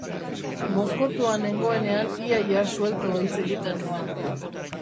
Mozkortua nengoenean ia-ia suelto hitz egiten nuen.